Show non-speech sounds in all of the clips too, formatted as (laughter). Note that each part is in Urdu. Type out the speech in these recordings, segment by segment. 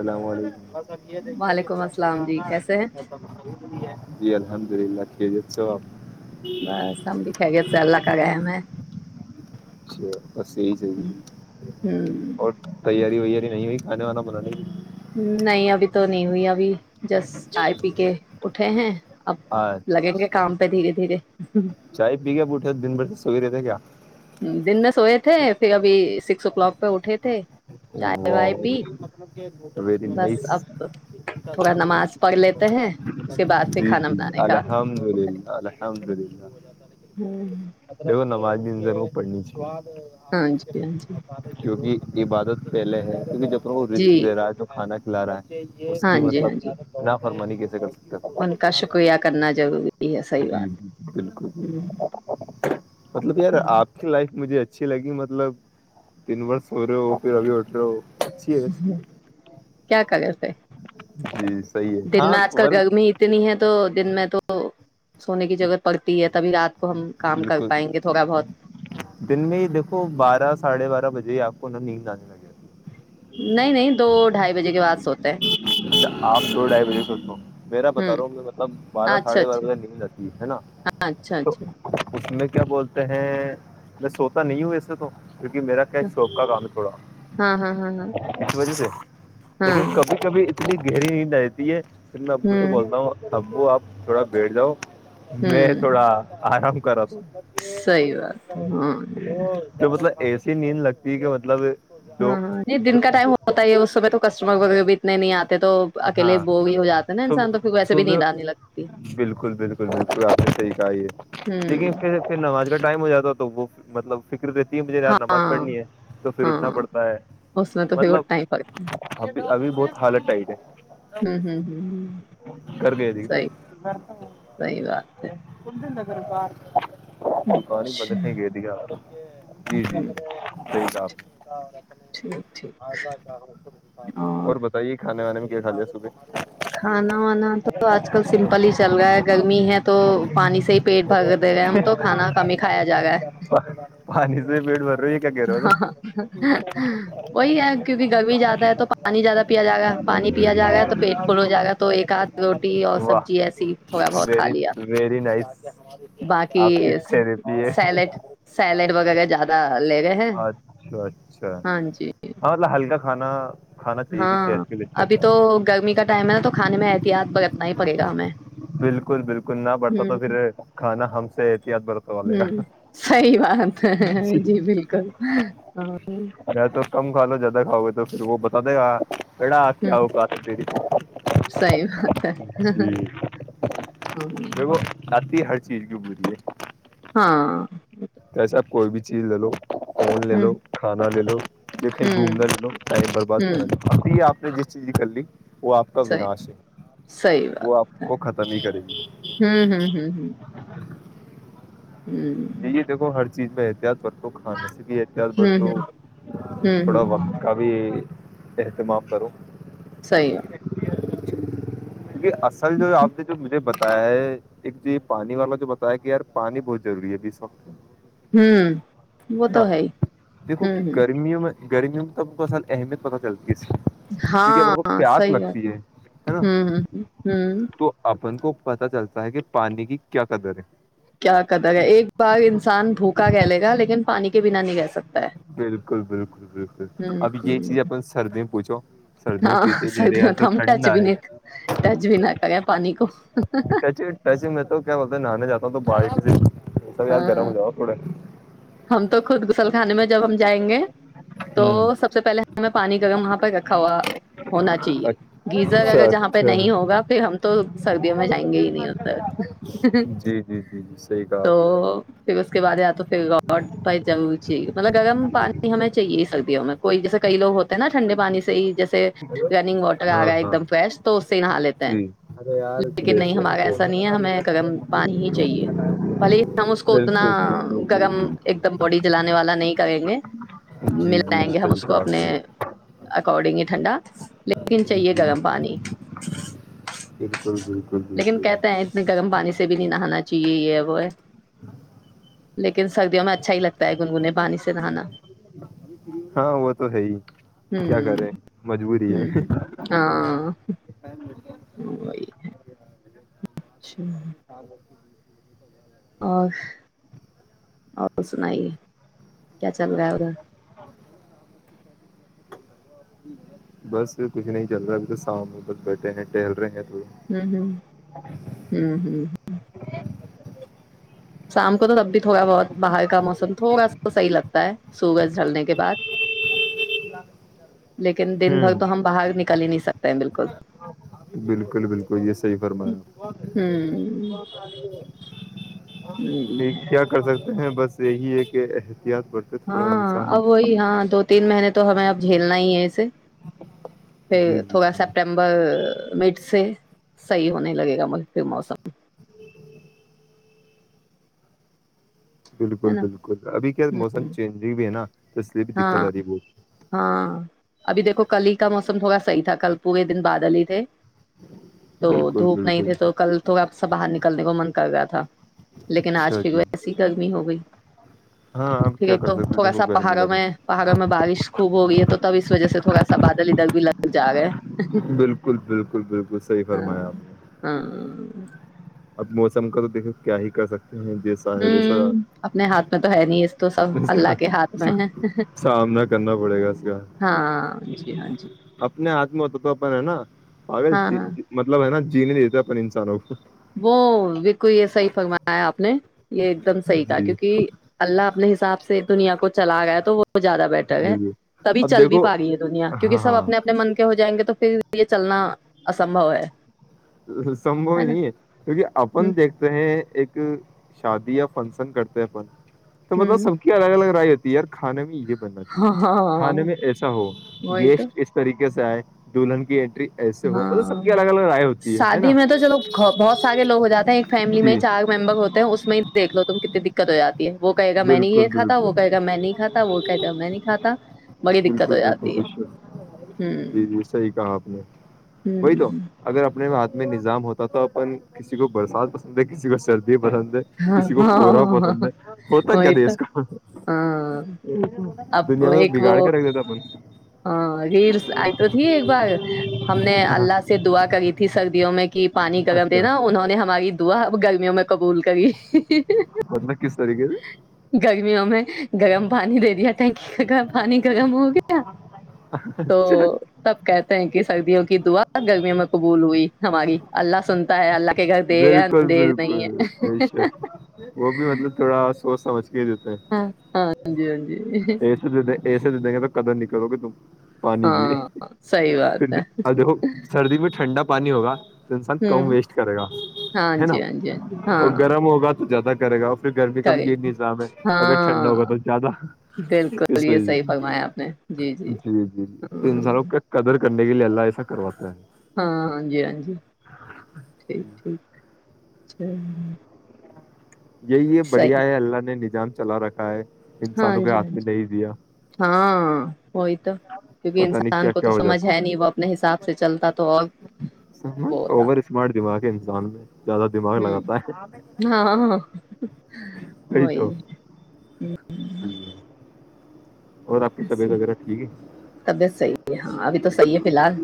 اللام علیکم بس اب یہ دیکھتے کہ وعلیکم تھوڑا مزہ السلام جی آنا ہے کیسے ہیں اور خرید بھی ہے جی الحمد للہ کی جےت سو آاب بس ہم بھیکھہ گئے سے اللہ کا گئے میں اچھا بس یہی چ ہوں اور تیاری وییاری نہیں ہوئی ال و ن بنا نہیں نہیں ابھی تو نہیں ہوئی ابھی جس چائے پی کے ٹھ ہیں اب لگیں گے اچھا کام پہ دھیرے دھیرے چائے پ گا بٹے دن بھرد ویرے ج کیا دن میں سوئے تھے پھر ابھی سکسو کلک پہ اٹھے تھے چائے وائے پی بس اب تھوڑا نماز پڑھ لیتے ہیں اس کے بعد پھر جی کھانا جی بنانے کا الحمد وہ کریں۔ للہ الحمد ہم، للہ نمج زرا پڑنیچ ہاں جی ہاں جی کیہ عبادت پہلے ہے ج تو رسک د جی رہا ہے تو کھان کھلا رہا ہے ے ہاں کہ جی مطلب ہاں جی فر مانی کےسے زدہ م ان کا شکریہ کرنا ضروری ہے صحیح جی جی بالکل بات بکل مطلب یار آ کی لائف مجھے اچ اچھی لگی مطلب تین برس ہو رہے ہو پھر ابھی اٹلو کیا کرے پھر جی صحیح ہے دن میں آج کل ہاںر گرمی اتنی ہے تو دن میں تو سونے کی جگہ پڑتی ہے تبھی رات کو ہم کام کر بالکل پائیں گے تھوڑا بہت دن میں ہی دیکھو بارہ ساڑھے بارہ بجے جی آپ کو نا نیند آنے لگے نہیں نہیں دو ڈھائی بجے کے بعد سوتے ہیں اچھ آپ ڈائی بجے سوچ میرا بتا رہا ہوں مطلب بارہ اچھا ساڑھے بارہ اچھا بجے نکل جاتی ہے ہے نا اچھا تو اچھا اس میں (unintelligible) کیا بولتے ہیں میں سوتا نہیں ہوں ایے تو کیونکہ میرا کیا شوق کا کام ہے تھوڑا ہاں ہاں ہاں ہاں اس وجہ سے ہاں لیکن کبھی کبھی اتنی گہری نہیں رہتی ہے میں ابو سے بولتا ہوں ابو آپ تھوڑا بیٹ جاؤ میں ہوں تھوڑا آرام کر صحیح بات ہے ہاں (inaudible) م آدمی متل (unintelligible) ایسی نیند لگتی کہ مطلب جو ہاں ہاں نہیں دن کا ٹائم ہوتا ہی ہے اس سمے تو کسٹمر وغیرہ بھی اتنے نہیں آتے تو اکیلے ہاں بور ہی ہو جاتے نا انسان تو پھر ویسے بھی نیند آنے لگتی بالکل بالکل بالکل آپ نے صحیح کہئی ہے ہوں لیکن پھر پھر نماز گڑھ ٹائم ہو جاتا تو وہ مطلب فکس تین بجھے یار نماز ہاں پڑھنی ہے تو پھر ہاں اٹھنا پڑتا ہے اس میں تو پھر مطلب اٹھنا ہی پڑتا ہے اب ابھی بہت حالت ٹئی ہوں ہ ہ ہ کر گئے تھی سی سی بات ہے ب پار (inaudible) دکان ہی بندیں گئے دیا جی جی جی (unintelligible) ٹھیک ہے ٹھیک ٹھیک (inaudible) اور بتائیے کہ سنے میںے میں گ کا لیا سب (unintelligible) کھانا وانا تو آج کل سمپل ہی چل رہا ہے گرمی ہے تو پانی سے ہی پیٹ بھر دے گئے ہم تو کھانا کم ہی کھایا جا رہا ہے پانی سے پیٹ ب (unintelligible) ہ وہی ہے کیونکہ گرمی زیادہ ہے تو پانی زیادہ پیا ج جائے گا پانی پیا جائے گا تو پیٹ فل ہو جائے گا تو ایک ہاتھ روٹی اور واہ سبزی ایسی تھوڑا بہت کھا ویری لیا ویری نائس باقی آپ کسریپی ہے سیلیڈ سیلیڈ وغیرہ زیادہ لے رہے ہیں اچھا اچھا ہاں جی ہاں مط ہلکا کھانا کانا چاہیے بھی ہاں صح ابھی تو گرمی کا ٹائم ہے نا تو کھانے میں احتیاط برتنا ہی پڑے گا ہمیں بالکل بالکل نہ برتا تو ہ پھر کھانا ہم سے احتیاط برتا والے ہ گا سی بات ہے جی بالکل ہ یا تو کم کھا لو زیادہ کھؤ گے تو پھر وہ بتا دے گا اا ہ کیا ہوگ آتے ت صحیح بات ہے ہ جوتی ہ چیک بریے ہاں جیسا کوئی بھی چیز لے لو فون لے ہ لو کھانا لے لو جسے ہ گھومنا لوں ائم برباد ہ کرنا آپ نے جس چی جی کلی وہ آپ کا صحیح ونااش ہے صحیح وہ آپ بات ہے کو ختم ہی کرے گی ہوں ہوں ہوں یہ دیکھو ہر چیز میں احتیاط ب تو کھانے سے بھی احتیاط ہوں برت ہ ہوں ہ تھوڑا ہوں ہ وقت ہ کا بھی احتمام کرو صیح ہے کیکہ اصل جو آپ جو میرے ب تا ہے ایک جو یہ پانی والا جو بتایا کہ یار پانی بہت ضروری ہے بی اس وقت ہوں وہ تو ہے ہی ہوں ہ گرمی میں تب بصل اہمیت پتا چلتا ہاں ہ سی بات ہے ہوں ہ ہ ہ پتا چلتا ہے کہ پانی کی کیا قدر ہے کیا کہتا گ ایک بگ انسان بھوکا کہہ لے گا لیکن پانی کے بنا نہیں کہ سکتا ہے بالکل بالکل بالکل ہ اب یہ چیز ہ اپن سردی میں پوچھو سردی میں ہاں پیتے نہیں ارے سکتی یار ہو تو ہم ٹچ ٹھنڈا بھی ہے نہیں ٹچ بھی نہ کریں پانی کو ٹچ ٹچ میں تو کیا بولتے ہیں نہانے جاتا تو بائیس دن سب یار ہاں جرا میں جاؤ پڑے ہم تو خود غسل خانے میں جب ہم جائیں گے ہوں تو سب سے پہلے ہمیں پانی کا اگر وہاں پہ رکھا ہوا ہونا چاہیے گیزر اچھا اگر جہاں پہ اچھا نہیں ہوگا پھر ہم تو سردیوں میں جائیں گے ہی نہیں ادر جی جی جی جی صحیح کہا تو آپ نے پھر اس کے بعد یا تو پھر بڈ پ جا چے مط گ پانی ہمیں چاہیے یہ سب بھی میں کوئی جیس کئی لو ہوتے نا ٹھنڈے پانی سے ہی جیسے رننگ واٹر آ ہاں گیا ایک ہاں دم فریش تو اس سے نہا لیتے ہیں جی لیکن بے نہیں ہمارا شک ایسا نہیں ہے ہمیں گرم پانی ہی چاہیے بھلے ہم اس کو اتنا بالکل بالکل گرم بالکل ایک دم باڈی جلانے والا نہیں کریں گے جی مل جی جائیں گے ہم صحیح اس کو کہا آپ اپنے نے گ ھنڈات لیکن چاہیے جی گرم پانی بالکل بالکل لیکن بالکل کہتے ہیں اتنے گرم پانی سے سے بھی نہیں نہانا چاہیے یہ وہ ہے لیکن س ہ م میں اچھا ہی لگتا پگنگنے پانی سے نہانا ہاں وہ تو ہے ہی ہ کیا کریں مجبوری ہ ہے ہاں وہی ہے اچھا ہاں ب اور اور سنائیے کیا چل رہا ہے اھر ا بس کچھ نہیں چل رہا ہے ابھی تو شام میں بس بیٹھے ہیں ٹہل رہے ہیں تھوڑا ہوں ہ ہوں ہ ہ شام کو تو تب بھی تھوڑا بہت باہر کا موسم تھوڑا سا صحیح لگتا ہے سورج جلنے کے بعد لیکن دن بھر ہ تو ہم باہر نکل ہی نہیں سکتے ہیں بالکل بالکل بالکل تو یہ صحی فرمایا ہوں کیا کر سکتے ہیں بس یہی ہے کہ احتیاط برتیں تھوڑا ہاں انسان اب وہی ہاں دو تین مہینے تو ہمیں اب جھیلنا ہی ہے اسے پھر جی جی تھوڑا جی سپٹمبر مٹ سے صحیح ہونے لگے گا مج پ موسم بالکل ہے نا بالکل ابھی کیا موسم چینج بھی ہے نا تو اس لیے بھی دقت ہاں آ رہی ہے بہت سمبوگ صحی تھا کل پورے دن بادل ہی تھے تو بالکل دھوپ نہیں بالکل تھے تو کل تھڑا آپ سے باہر نکلنے کو من کر گیا تھا تھا لیکن آج اچھا پھر جی وہ ایس کر ہو گئی ہاں آپ ٹھیک ہے کیا ایک کر تو سکتے تھوڑا دیکھو سا گرمی پہاڑوں کا میں تو پہاڑوں میں بارش خوب ہو گئی ہے تو تب اس وجہ سے تھوڑا سا بادل ادھر بھی لگ جا گا (unintelligible) بالکل بالکل بالکل صحی ہاں فرمایا آپ نے ہاں اب موسم کا تو دیکھو کیا ہی کر سکتے جیسا ہے جیسا ہوں اپنے ہاتھ میں تو ہے نہیں اس تو سب اللہ کے ہاتھ میں ہے سامنا کرنا پڑے گا اس کا ہاں جی ہاں جی اپنے ہاتھ میں ہوتا تو اپن ہے نا اگر ہاں ہاں مطلب ہے نا (unintelligible) جینے نہیں دےتا اپنی انسانوں کو (unintelligible) وہ وکو یہ صحیح فرمایا آپ نے (unintelligible) یہ ایک دم صحیح کا جی کیونکہ اللہ اپنے حساب سے دنیا کو چلا گیا تو وہ (unintelligible) وہ زیادہ بیٹر ہے بالکل تبھی اب چل بھی دیکھو پا رہی ہے دنیا کیونکہ ہاں سب ہاں اپنے اپنے من کے ہو جائیں گے تو (unintelligible) پ لیے چلنا اسمبھو ہے (unintelligible) سمبو ہی ہے نا نہیں (unintelligible) کیونکہ ہ اپن دیکھتے ہیں (unintelligible) ایک شادی یا فنکشن کرتے ہیں اپن (unintelligible) تو مطلب ہ سب کی الگ الگ رائےتی دیر خان بھی (unintelligible) بننا چاہیے ہاں ہاں کھانے میں ایسا ہو وہی تو گیسٹ اس طریقے (unintelligible) کیس آئے دلہن کی انینٹری (unintelligible) ایسے ہو مطلب ہاں سب کی الگ الگ رائے ہوتی (unintelligible) شادی میں تو چلو بہت سارے لوگ ہو جاتے ہیں ایک فیملی میں جی چار ممبر ہوتے ہیں اس میں دیک لو تم کت دقت ہو جی (unintelligible) وہ کہے گا میں نہیں بالکل یہ کھا بالکل وہ کہے گا میں نہیں کھاتا وہ کہے گ میں نہیں کھاتا بڑی دقت بالکل ہو بالکل جاتی ہے بالکل ہ جی جی (unintelligible) صحیح کہا آپ نے وہی تو اگر اپنے میں ہات (unintelligible) میں نظام ہوتا تھا اپن کسی کو برسات پسند ہے کسی کو سر (unintelligible) بھی پسند ہے ہاں کسی کو کورا ہاں پسند ہے (unintelligible) وہی تو کا ہاں اب دنیا کو تو ایک وہ بگاڑ کے رکھ دیتا اپن ہاں ریلس آئی تو تھی ایک بار ہم نے اللہ سے دعا کری تھی سرد (unintelligible) میں کہ (unintelligible) پانی گغم اچھا دینا انہوں نے ہماری (unintelligible) ہوا اب گرمیوں میں قبول (unintelligible) ک (unintelligible) پدناکس تاریخ (unintelligible) گرمیوں میں گرم پانی دے دیا (unintelligible) ٹنکی کا کام پانی کا کم ہو گیا (unintelligible) تو اچھا تب کہتے ہیں کہ سردیوں کی دعا گرمیوں میں قبول ہوئی ہماری اللہ سنتا ہے اللہ ک دھا بالکل ان دگ نہیں بالکل ہے بے وہ بھی مطلب تھوڑا تو سا ہاں ہاں ج یہس ج پے د دیں گے تو قدر نکلو گے تم پانی کی ہاں صحیح پھر بات ہے دیکھو سردی میں ٹھنڈا پانی ہوگا تو انسان کم ہوں ویسٹ کرے گا ہاں ہے نا جی ہاں جی ہاں جی اور ہاں گرم ہوگا تو زیادہ پاگاف پھر گرمی کا بھی کرے یہی نظام ہے اگر ٹھنڈا ہوگا ہاں تو زیادہ بالکل اس یہ وجہ صحیح سے فرمایا آپ نے جی جی ہ چڈے گ لی اللہا ایسا کرو ہے ہاں ہاں جی ہاں جی ٹھیک ٹھیک چ یہی یہ بڑھیا ہے اللہ نے نجان چلا رکھا ہے ہاں انسانوں کے جی ہاں ہاتھ میں جی نہیں دیا ہاں وہی تو کیونکہ پتا نہیں انسان کیا کو کیا تو ہو سمجھ جاتا ہے نہیں وہ اپنے حساب سے چلتا تو اور وہ ہوتا اوور اسمارٹ دماغ انسان میں زیادہ دماغ ہ لگاتا ہے ہاں وہئی ہاں ہے طبیعت صحیح ہے ہاں ابھی تو صحی ہے فی الحال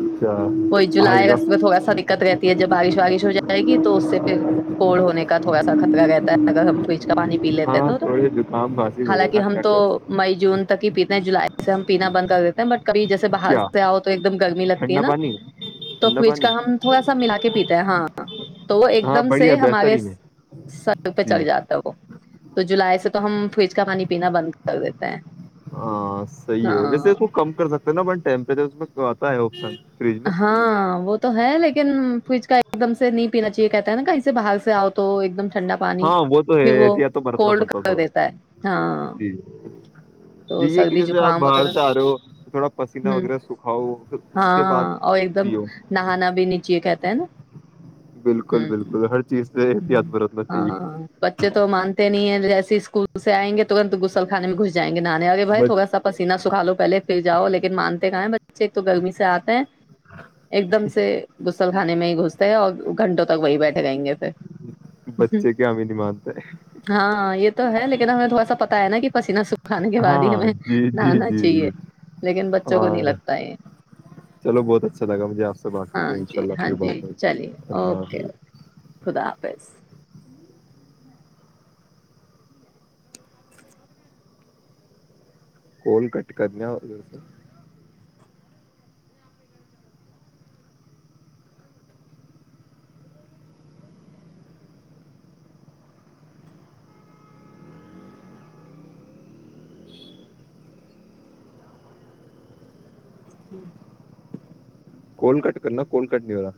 اچھا وہی آگے جولائی کا اگست میں تھوڑا سا دقت رہتی ہے جب بارش وارش ہو جائے گی تو اس سے پھر کوڑ ہونے کا تھوڑا سا خطرہ رہتا ہے اگر ہم فریج کا پانی پی لیتے ہاں ہیں تو تھوڑے زکام کھانسی حالانکہ وغیرہ ہم کیا تو کریں مئی جون تک ہی پیتے ہیں جولائی سے ہم پینا بند کر دیتے ہیں بٹ کب جیس سے باہر کیا سے آؤ تو ایک دم ٹھنڈا نا پانی تو ٹھنڈا فج کا پانی ہم تھوڑا سا ملا کے پیتے ہیں ہاں تو وہ ایک ہاں دم سے بڑھیا ہمارے بہترین ہے سر پہ جی چڑ جاتا ہے وہ تو جولائی سے تو ہم فریج کا پانی پینا بند کر دیتا ہیں ہاں صحیح ہے ویسے ہاں اس کو کم کر سکتے ہیں نا بن ٹیمپریچر اس میں آتا ہے سی ہاں وہ تو ہے لیکن فچ کا ایک دم سے نی پینا چاہیے کہتا ہے نا کہیں سے باہر سے آؤ تو ایک دم ٹھنڈا پانی ہاں وہ تو ہے پھر احتیاط تو برتنا کولڈ پڑتا کر تھوڑا دیتا ہے ہاں جی جی تو یہ کہ سردی جیسے آپ زکام باہر وغیرہ سے آ رہے ہو تھوڑا پسینہ ہوں وغیرہ سکھاؤ پھر اس کے بعد ہاں اور ایک دم پیو نہانا بھی نیچے کہتے ہیں نا ہ بالکل بالکل ہر چیز سے احتیاط ہ برتنا چاہیے ہاں بچے تو مانتے نہیں ہیں جیسے اسکول سے آئ گے ترن گسل خان میں گھس جائیںے نانے آگے بائی بچ تھوڑا سا پینہ سکھا لو پہے پے جاؤ لن مانتے کہیں بس ب ایک تو گرمی سے آتے ہیں ایک دم سے گ ل خانے میں ہی گھستے ہے اور گھنٹوں تک وہی بیٹھے گیں گے بچے کیا ہمیں نہیں مانتے ہاں یہ تو ہے لیکن ہمیں تھوڑاتا ہے نا پسین س کھانے کے بعد ہی ہاں ہمیں جی جی نہانا جی چاہیے جی لیکن بچوں ہاں کو نہیں لگتا یہ چلو بہت اچھا لگا مجھے آپ سے بات کر ہاں کے ان شاء جی اللہ ہاں پھر جی بات ہوی چلیے اللہ اوکے حافظ خدا حافظ کوول کٹ کرنے ہو جی کول کٹ کرنا کول کٹ نہیں ہوا